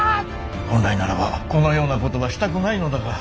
本来ならばこのようなことはしたくないのだが。